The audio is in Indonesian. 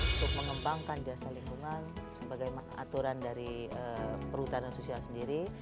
untuk mengembangkan jasa lingkungan sebagai aturan dari perhutanan sosial sendiri